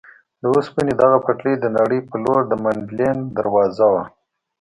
د اوسپنې دغه پټلۍ د نړۍ په لور د منډلینډ دروازه وه.